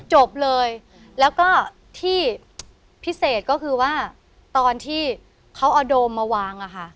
จบเลยแล้วก็ที่พิเศษก็คือว่าตอนที่เขาเอาโดมมาวางอะค่ะ